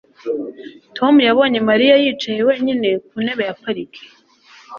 Tom yabonye Mariya yicaye wenyine ku ntebe ya parike